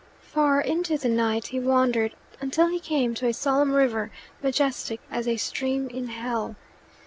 Far into the night he wandered, until he came to a solemn river majestic as a stream in hell.